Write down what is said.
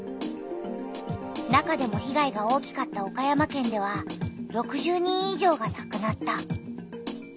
中でも被害が大きかった岡山県では６０人い上がなくなった。